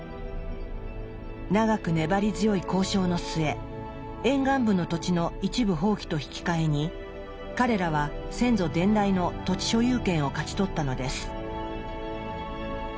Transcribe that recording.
長く粘り強い交渉の末沿岸部の土地の一部放棄と引き換えに彼らは先祖伝来の土地所有権を勝ち取ったのです。